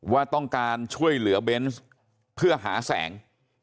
ว่าต้องการช่วยเหลือเบนส์เพื่อหาแสง